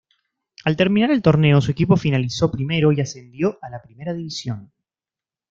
Al terminar el torneo su equipo finalizó primero y ascendió a la Primera División.